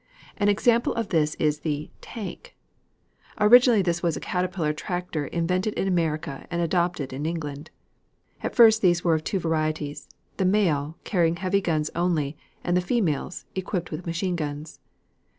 An example of these is the "tank." Originally this was a caterpillar tractor invented in America and adopted in England. At first these were of two varieties, the male, carrying heavy guns only, and the females, equipped with machine guns.